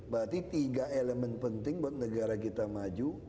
berarti tiga elemen penting buat negara kita maju